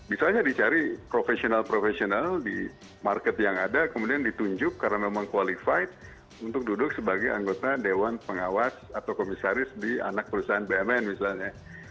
bisa saja dicari profesional profesional di market yang ada kemudian ditunjuk karena memang qualified untuk duduk sebagai anggota dewan pengawas atau komisaris di anak perusahaan bumn misalnya